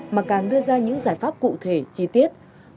mà càng đưa ra những giải pháp cụ thể chi tiết